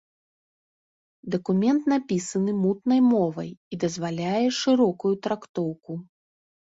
Дакумент напісаны мутнай мовай і дазваляе шырокую трактоўку.